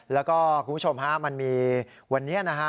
แล้วก็คุณผู้ชมฮะมันมีวันนี้นะฮะ